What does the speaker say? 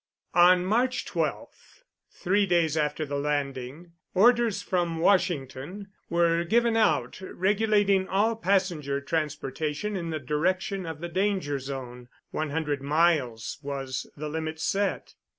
On March 12, three days after the landing, orders from Washington were given out, regulating all passenger transportation in the direction of the danger zone. One hundred miles was the limit set.